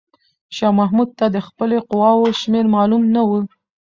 شاه محمود ته د خپلې قواوو شمېر معلومه نه و.